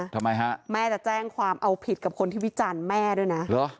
ทำไมฮะแม่จะแจ้งความเอาผิดกับคนที่วิจารณ์แม่ด้วยนะ